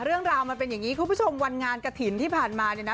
เรื่องราวมันเป็นอย่างนี้คุณผู้ชมวันงานกระถิ่นที่ผ่านมาเนี่ยนะ